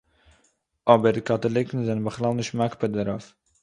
אָבער קאַטאָליקן זענען בכלל נישט מקפּיד דערויף